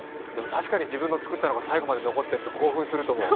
確かに自分の作ったのが最後まで残ってると興奮すると思う。